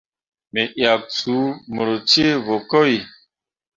Me yak suu mur ceevǝkoi.